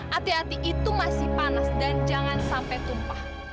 hati hati itu masih panas dan jangan sampai tumpah